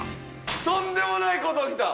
とんでもない事起きた！